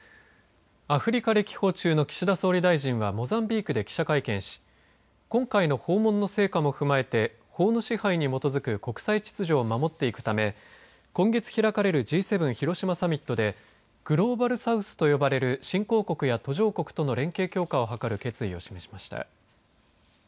アフリカ歴訪中の岸田総理大臣はモザンビークで記者会見し今回の訪問の成果も踏まえて法の支配に基づく国際秩序を守っていくため今月開かれるＧ７広島サミットでグローバル・サウスと呼ばれる新興国や途上国との連携強化を図る決意を示しました。